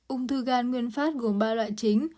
úng thư gan nguyên phát gồm ba loại chính